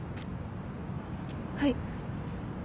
はい。